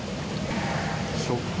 ショック。